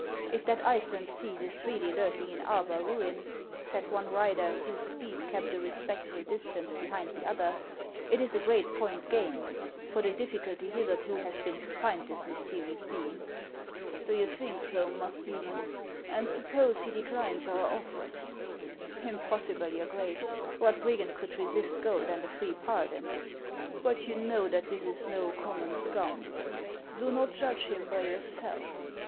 If that Iceland thief is really lurking in Arbar ruin," said one rider, whose steed kept a respectful distance behind the other, " it is a great point gained ; for the difficulty hitherto has been to rind this mysterious being." " Do you think so, Musdceraon ? And suppose he de clines our otters ?"" Impossible, your Grace ! What brigand could resist gold and a free pardon I "" But you know that this is no common scoundrel. Do not judge him by yourself.